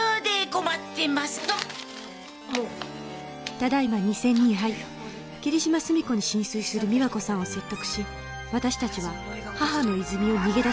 ただ今２戦２敗霧島澄子に心酔する美和子さんを説得し私たちは母之泉を逃げ出しました